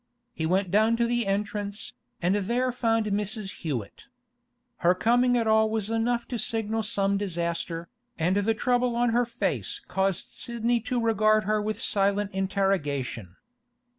He went down to the entrance, and there found Mrs. Hewett. Her coming at all was enough to signal some disaster, and the trouble on her face caused Sidney to regard her with silent interrogation.